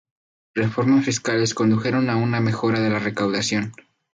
Reformas fiscales condujeron a una mejora de la recaudación.